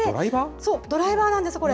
そう、ドライバーなんです、これ。